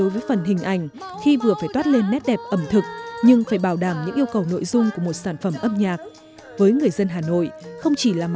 ví dụ như là có cái